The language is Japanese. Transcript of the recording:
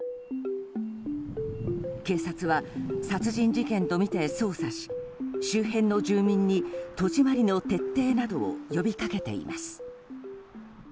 警察は、殺人事件とみて捜査し周辺の住民に戸締まりの徹底などを呼び掛けています。